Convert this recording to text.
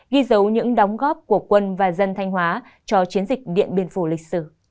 ghi dấu những đóng góp của quân và dân thanh hóa cho chiến dịch điện biên phủ lịch sử